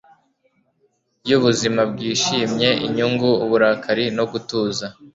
yubuzima bwishimye, inyungu, uburakari no gutuza